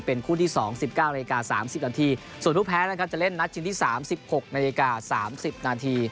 เป็นคู่ที่๒๑๙นาฬิกา๓๐นาทีส่วนผู้แพ้นะครับจะเล่นนัดชิงที่๓๖นาฬิกา๓๐นาที